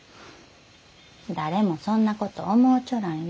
誰もそんなこと思うちょらんよ。